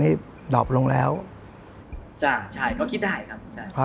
นี่ดรองกันลงแล้วเพื่อคิดได้นะครับ